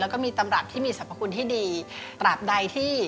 แล้วก็มีตำรับที่มีสรรพคุณที่ดี